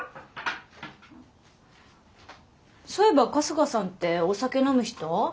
そういえば春日さんってお酒飲む人？